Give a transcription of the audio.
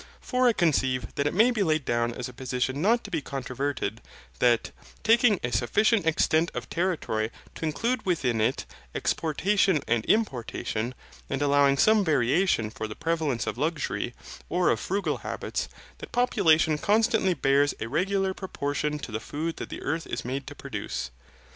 For I conceive that it may be laid down as a position not to be controverted, that, taking a sufficient extent of territory to include within it exportation and importation, and allowing some variation for the prevalence of luxury, or of frugal habits, that population constantly bears a regular proportion to the food that the earth is made to produce.